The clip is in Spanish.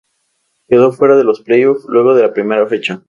Quedó fuera de los playoffs luego de la primera fecha.